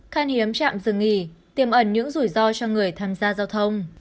khăn hiếm chạm dừng nghỉ tiềm ẩn những rủi ro cho người tham gia giao thông